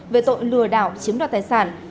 về tội lừa đảo chiếm đoạt tài sản